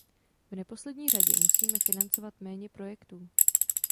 V neposlední řadě musíme financovat méně projektů.